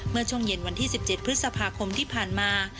เมื่อช่วงเย็นวันที่๑๗พฤษภาคมที่ผ่านมา